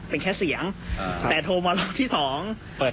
เป็นแค่เสียงแต่โทรมาลับที่สอง